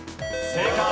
正解。